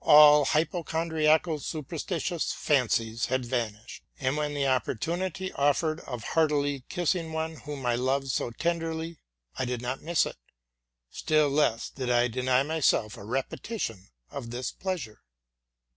61 all hypochondriacal superstitious fancies had vanished: and, when the opportunity offered of heartily kissing one whom f[ loved so tenderly, I did not miss it, still less did I deny myself a repetition of this pleasure.